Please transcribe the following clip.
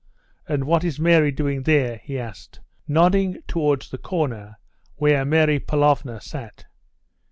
And what is Mary doing there?" he asked, nodding towards the corner where Mary Pavlovna sat.